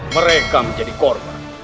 mereka menjadi korban